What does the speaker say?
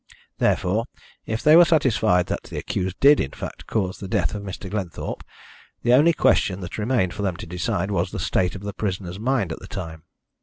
Therefore, if they were satisfied that the accused did, in fact, cause the death of Mr. Glenthorpe, the only question that remained for them to decide was the state of the prisoner's mind at the time.